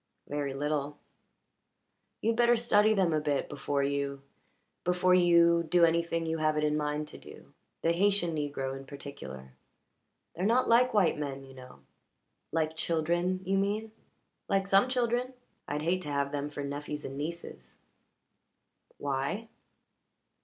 "Very little." "You'd better study them a bit before you before you do anything you have it in mind to do the Haytian negro in particular. They're not like white men, you know." "Like children, you mean?" "Like some children. I'd hate to have them for nephews and nieces." "Why?"